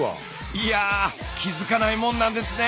いや気付かないもんなんですね！